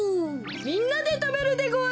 みんなでたべるでごわす！